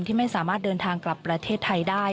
ที่ไม่สามารถเดินทางกลับประเทศไทยได้